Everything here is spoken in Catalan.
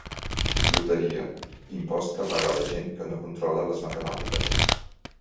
Loteria: impost que paga la gent que no controla les matemàtiques.